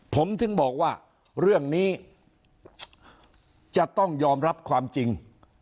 ผมถึงบอกว่าเรื่องนี้จะต้องยอมรับความจริง